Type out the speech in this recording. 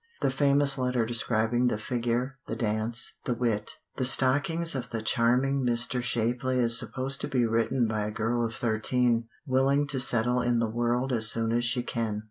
The famous letter describing the figure, the dance, the wit, the stockings of the charming Mr. Shapely is supposed to be written by a girl of thirteen, "willing to settle in the world as soon as she can."